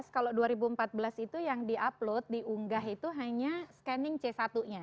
kalau dua ribu empat belas itu yang di upload diunggah itu hanya scanning c satu nya